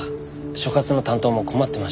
所轄の担当も困ってました。